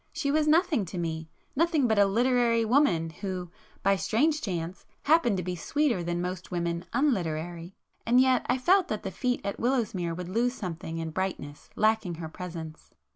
She was nothing to me,—nothing but a 'literary' woman who, by strange chance, happened to be sweeter than most women unliterary; and yet I felt that the fête at Willowsmere would lose something in brightness lacking her presence.